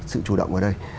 sự chủ động ở đây